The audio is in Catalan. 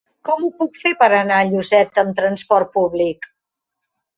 Com ho puc fer per anar a Lloseta amb transport públic?